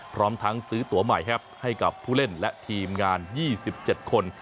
พร้อมทั้งซื้อตัวใหม่ครับให้กับผู้เล่นและทีมงาน๒๗คน